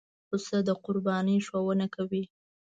پسه د قربانۍ ښوونه کوي.